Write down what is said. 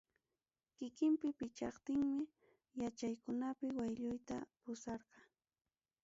Kikinpi chiqaptinmi, yachaykunapi waylluyta pusarqa.